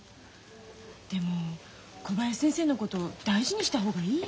でも小林先生のこと大事にした方がいいよ。